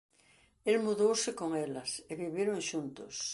El mudouse con elas e viviron xuntos.